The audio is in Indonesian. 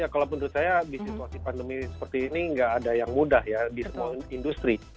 kalau menurut saya di situasi pandemi seperti ini nggak ada yang mudah ya di semua industri